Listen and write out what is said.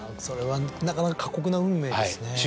それはなかなか過酷な運命ですね。